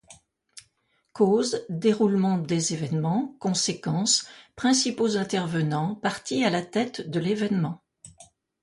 Causes, déroulement des événements, conséquences, principaux intervenants, parties à la tête de l’événement.